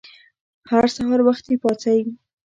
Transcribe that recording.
هر سهار وختي پاڅئ!